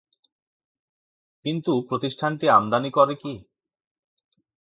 কিন্তু প্রতিষ্ঠানটি আমদানি করে কি?